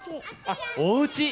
あっおうち。